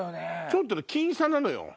ちょっと僅差なのよ。